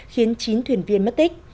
khiến chín thuyền viên mất tích